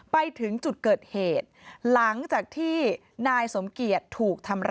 ไปถึงจุดเกิดเหตุ